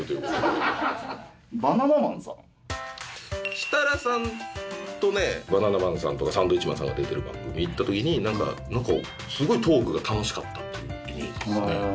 設楽さんとねバナナマンさんとかサンドウィッチマンさんが出てる番組に行った時に。っていうイメージですね。